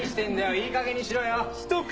いいかげんにしろよ。